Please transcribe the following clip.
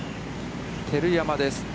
照山です。